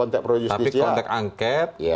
tapi konteks angket